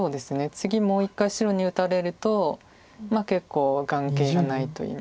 次もう一回白に打たれると結構眼形がないといいますか。